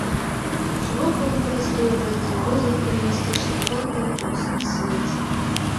Шырока выкарыстоўваецца ў розных камуністычных партыях па ўсім свеце.